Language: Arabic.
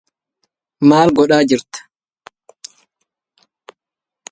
أبثكم أني مشوق بكم صب